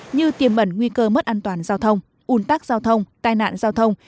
như tiềm mẩn nguy cơ mất an toàn giao thông un tắc giao thông tai nạn giao thông